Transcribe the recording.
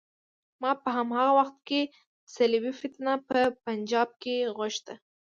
ما په هماغه وخت کې صلیبي فتنه په پنجاب کې غوښته.